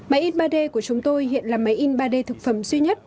máy in ba d của chúng tôi hiện là máy in ba d thực phẩm duy nhất